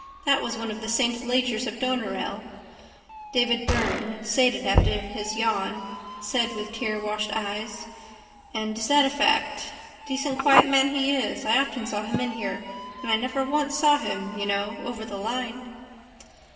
That was one of the saint Legers of Doneraile. Davy Byrne, sated after his yawn, said with tearwashed eyes: —And is that a fact? Decent quiet man he is. I often saw him in here and I never once saw him—you know, over the line.